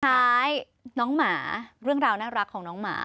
ท้ายน้องหมาเรื่องราวน่ารักของน้องหมา